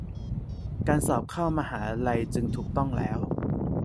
การสอบเข้ามหาลัยจึงถูกต้องแล้ว